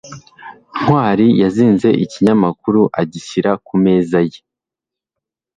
ntwali yazinze ikinyamakuru agishyira ku meza ye